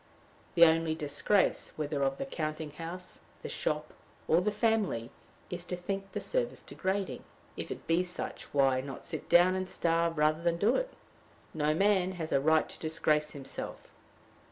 The only disgrace, whether of the counting house, the shop, or the family, is to think the service degrading. If it be such, why not sit down and starve rather than do it? No man has a right to disgrace himself.